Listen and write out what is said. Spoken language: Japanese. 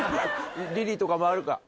リリーとかもあるか？